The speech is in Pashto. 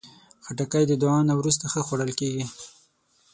خټکی د دعا نه وروسته ښه خوړل کېږي.